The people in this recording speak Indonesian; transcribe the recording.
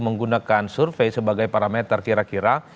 menggunakan survei sebagai parameter kira kira